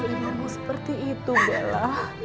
kamu gak boleh ngomong seperti itu bella